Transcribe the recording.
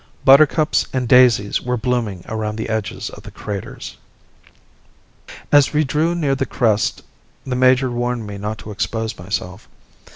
Buttercups and daisies were blooming around the edges of the craters. As we drew near the crest the major warned me not to expose myself.